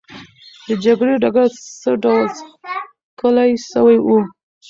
د جګړې ډګر څه ډول ښکلی سوی وو؟